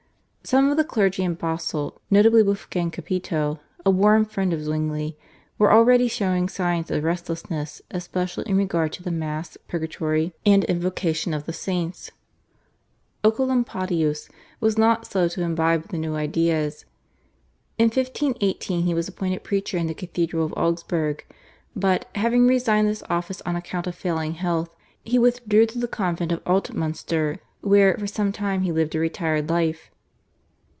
Some of the clergy in Basle, notably Wolfgang Capito, a warm friend of Zwingli, were already showing signs of restlessness especially in regard to the Mass, purgatory, and invocation of the saints, and Oecolampadius was not slow to imbibe the new ideas. In 1518 he was appointed preacher in the Cathedral of Augsburg, but, having resigned this office on account of failing health, he withdrew to the convent of Altmunster, where, for some time, he lived a retired life.